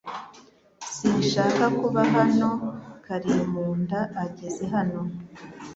Sinshaka kuba hano Karimunda ageze hano